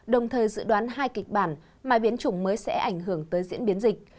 đồng thời dự đoán hai kịch bản mà biến chủng mới sẽ ảnh hưởng tới diễn biến dịch